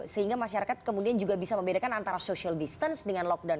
sehingga masyarakat kemudian juga bisa membedakan antara social distance dengan lockdown